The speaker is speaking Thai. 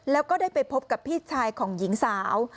แล้วก็ได้ไปพบกับพี่ชายของหญิงสาว